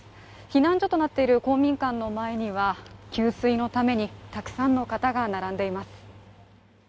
避難所となっている公民館の前には給水のために、たくさんの方が並んでいます。